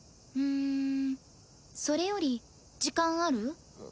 うんそれより時間ある？